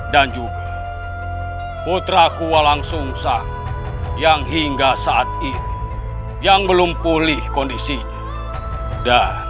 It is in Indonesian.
dan juga putra kualangsungsang yang hingga saat ini yang belum pulih kondisinya